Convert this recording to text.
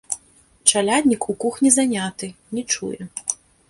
Чаляднік у кухні заняты, не чуе.